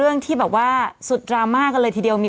กรมป้องกันแล้วก็บรรเทาสาธารณภัยนะคะ